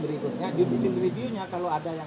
berikutnya judicine review nya kalau ada yang